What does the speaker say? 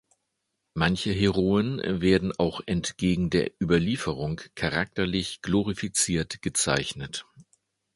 Manche Heroen werden auch entgegen der Überlieferung charakterlich glorifiziert gezeichnet.